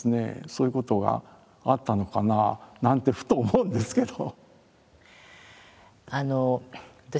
そういうことがあったのかなあなんてふと思うんですけど。